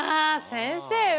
先生